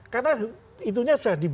karena itunya sudah dibuat